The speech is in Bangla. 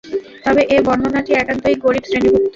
তবে এ বর্ণনাটি একান্তই গরীব শ্রেণীভুক্ত।